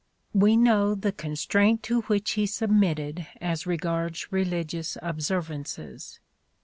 "We know the constraint to which he submitted as regards religious observances.